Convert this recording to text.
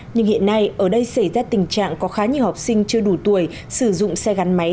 nhưng hiện nay ở đây xảy ra tình trạng có khá nhiều học sinh chưa đủ tuổi sử dụng xe gắn máy